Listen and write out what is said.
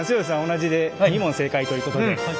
同じで２問正解ということで。